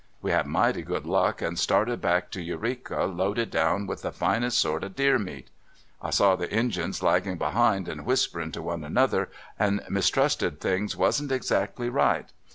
We had mighty good luck, and sta • 'ed back to Eureka loaded down with the finest sort of deer meat. I saw the Injuns laggin' behind, and whisperin' to one another, and mistrusted things was n't exactly right.